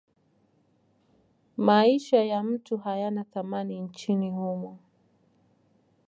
Maisha ya mtu hayana thamani nchini humo.